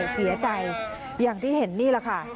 เสียใจอย่างที่เห็นนี่แหละค่ะ